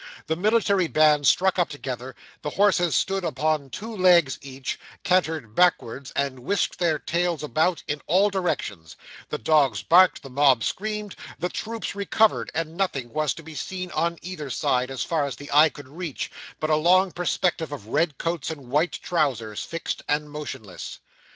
The military bands struck up altogether; the horses stood upon two legs each, cantered backwards, and whisked their tails about in all directions; the dogs barked, the mob screamed, the troops recovered, and nothing was to be seen on either side, as far as the eye could reach, but a long perspective of red coats and white trousers, fixed and motionless.